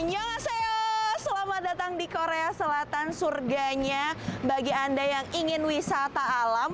nyola saya selamat datang di korea selatan surganya bagi anda yang ingin wisata alam